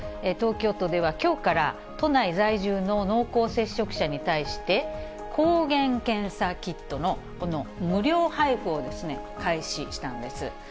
東京都ではきょうから、都内在住の濃厚接触者に対して、抗原検査キットの無料配布を開始したんです。